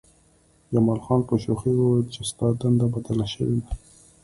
جمال خان په شوخۍ وویل چې ستا دنده بدله شوې ده